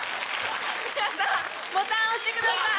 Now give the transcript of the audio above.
皆さんボタン押してください。